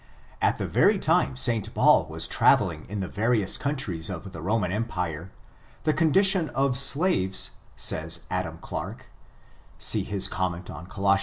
At the very time St. Paul was traveling in the va rious countries of the Roman empire, the condition of slaves, says Adam Clarke (see his comment on Coloss.